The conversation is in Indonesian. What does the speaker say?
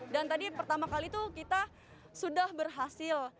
dan tadi pertama kali itu kita sudah berhasil